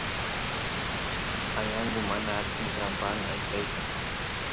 añangu mana atin trampaan ayqeyta